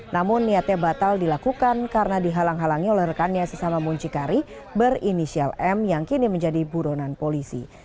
namun niatnya batal dilakukan karena dihalang halangi oleh rekannya sesama muncikari berinisial m yang kini menjadi buronan polisi